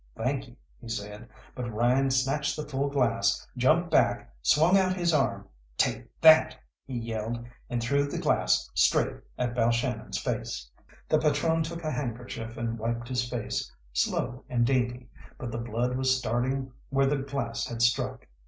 "Thank you," he said. But Ryan snatched the full glass, jumped back, swung out his arm "Take that!" he yelled, and threw the glass straight at Balshannon's face. The patrone took a handkerchief and wiped his face, slow and dainty, but the blood was starting where the glass had struck.